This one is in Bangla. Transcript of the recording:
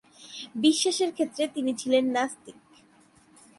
বিশ্বাসের ক্ষেত্রে তিনি ছিলেন নাস্তিক।